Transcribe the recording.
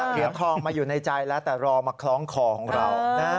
เหรียญทองมาอยู่ในใจแล้วแต่รอมาคล้องคอของเรา